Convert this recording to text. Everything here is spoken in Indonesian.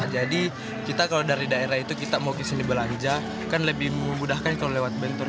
jadi kita kalau dari daerah itu kita mau kesini belanja kan lebih memudahkan kalau lewat bentor